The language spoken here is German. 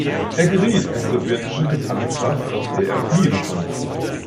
Er geriet in sowjetische Gefangenschaft, aus der er fliehen konnte.